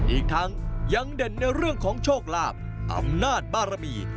อีกทั้งยังเด่นในเรื่องของโชคลาภอำนาจบารมี